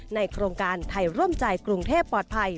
โครงการไทยร่วมใจกรุงเทพปลอดภัย